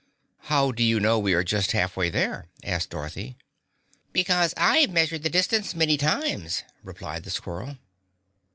"How do you know we are just halfway there?" asked Dorothy. "Because I've measured the distance many times," replied the squirrel.